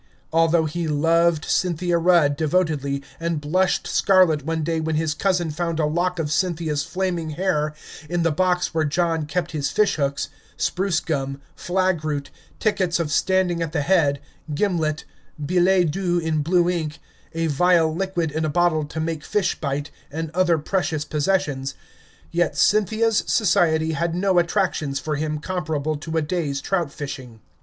Although he loved Cynthia Rudd devotedly, and blushed scarlet one day when his cousin found a lock of Cynthia's flaming hair in the box where John kept his fishhooks, spruce gum, flag root, tickets of standing at the head, gimlet, billets doux in blue ink, a vile liquid in a bottle to make fish bite, and other precious possessions, yet Cynthia's society had no attractions for him comparable to a day's trout fishing.